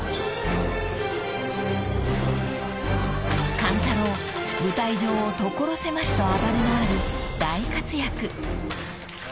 ［勘太郎舞台上を所狭しと暴れ回り大活躍］